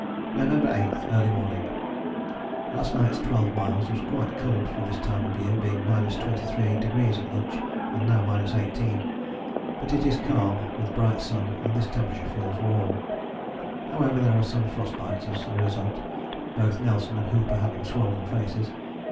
November 8. Early morning. Last night's twelve miles was quite cold for the time of year, being 23° at lunch and now 18°. But it is calm, with bright sun, and this temperature feels warm. However, there are some frost bites as a result, both Nelson and Hooper having swollen faces.